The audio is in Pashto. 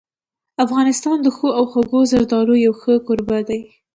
افغانستان د ښو او خوږو زردالو یو ښه کوربه دی.